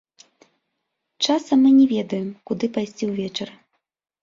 Часам мы не ведаем, куды пайсці ўвечары.